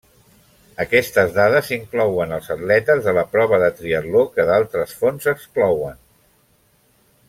Aquestes dades inclouen els atletes de la prova de triatló que d'altres fonts exclouen.